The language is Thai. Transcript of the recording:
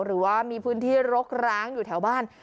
หรือว่ามีพื้นที่รกร้างอยู่แถวบ้าน